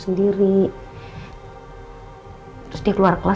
soalnya nya aku pencilsah